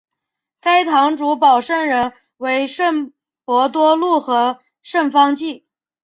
该堂主保圣人为圣伯多禄和圣方济。